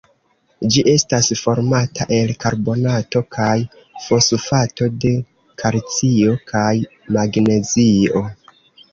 Ĝi estas formata el karbonato kaj fosfato de kalcio kaj magnezio.